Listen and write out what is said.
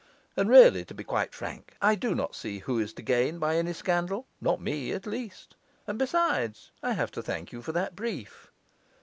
And really, to be quite frank, I do not see who is to gain by any scandal; not me, at least. And besides, I have to thank you for that brief.